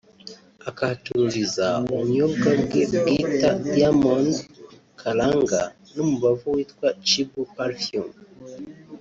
akahacururiza ubunyobwa bwe bwita Diamond karanga n’umubavu witwa Chibu Parfum